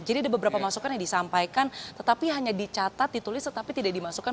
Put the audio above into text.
jadi ada beberapa masukan yang disampaikan tetapi hanya dicatat ditulis tetapi tidak dimasukkan